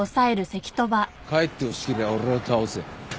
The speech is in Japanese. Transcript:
帰ってほしけりゃ俺を倒せ。